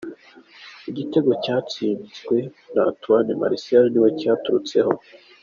Igitego cyatsinzwe na Anthony Martial niwe cyaturutseho.